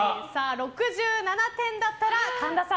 ６７点だったら神田さん